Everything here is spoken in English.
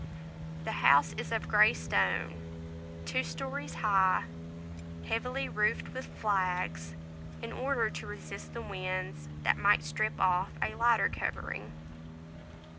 The house is of grey stone, two stories high, heavily roofed with flags, in order to resist the winds that might strip off a lighter covering.